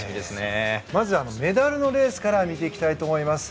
まずはメダルのレースから見ていきたいと思います。